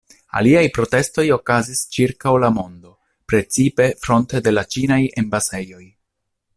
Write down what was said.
Aliaj protestoj okazis ĉirkaŭ la mondo, precipe fronte de la ĉinaj embasejoj.